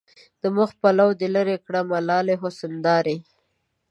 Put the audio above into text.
د مخ پلو دې لېري کړه ملالې حسن دارې